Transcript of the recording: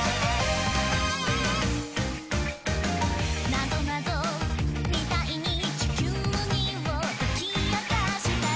「ナゾナゾみたいに地球儀を解き明かしたら」